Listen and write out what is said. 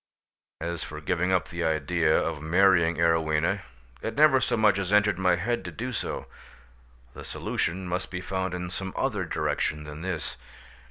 As for giving up the idea of marrying Arowhena, it never so much as entered my head to do so: the solution must be found in some other direction than this.